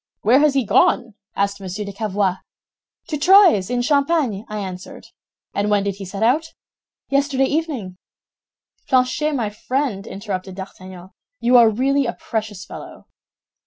"'Where has he gone?' asked Monsieur de Cavois. "'To Troyes, in Champagne,' I answered. "'And when did he set out?' "'Yesterday evening.'" "Planchet, my friend," interrupted D'Artagnan, "you are really a precious fellow."